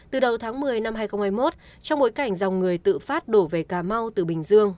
từ đầu tháng một mươi năm hai nghìn hai mươi một trong bối cảnh dòng người tự phát đổ về cà mau từ bình dương